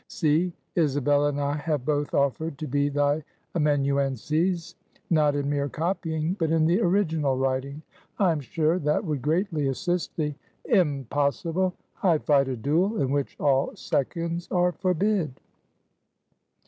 See, Isabel and I have both offered to be thy amanuenses; not in mere copying, but in the original writing; I am sure that would greatly assist thee." "Impossible! I fight a duel in which all seconds are forbid."